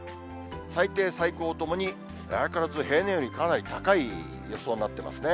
最低、最高ともに相変わらず平年よりかなり高い予想になってますね。